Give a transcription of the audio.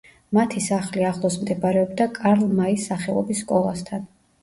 მათი სახლი ახლოს მდებარეობდა კარლ მაის სახელობის სკოლასთან.